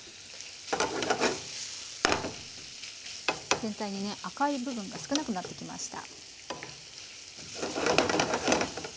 全体にね赤い部分が少なくなってきました。